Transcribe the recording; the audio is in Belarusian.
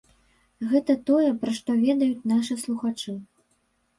Гэта тое, пра што ведаюць нашы слухачы.